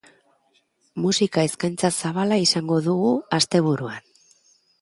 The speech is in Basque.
Musika eskaintza zabala izango dugu asteburuan.